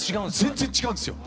全然違うんですよ！